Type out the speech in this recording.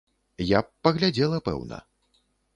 Я б паглядзела, пэўна.